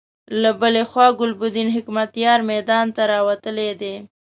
له بلې خوا ګلبدين حکمتیار میدان ته راوتلی دی.